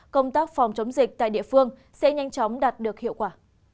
công tác phòng chống dịch tại địa phương sẽ nhanh chóng đạt được hiệu quả